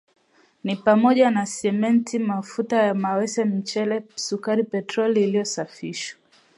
ni pamoja na Simenti, mafuta ya mawese mchele sukari petroli iliyosafishwa